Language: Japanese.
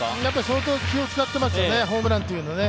相当気を使ってますよね、ホームランというのを。